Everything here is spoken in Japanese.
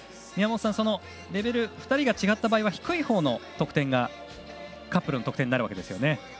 宮本さん、レベル２人が違った場合は低いほうの得点がカップルの得点になるわけですね。